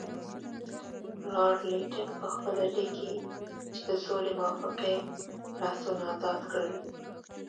لارډ لیټن پخپله لیکي چې د سولې موافقې لاسونه ازاد کړل.